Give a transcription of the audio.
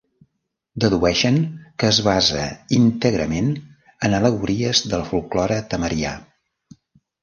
Dedueixen que es basa íntegrament en al·legories del folklore tamarià.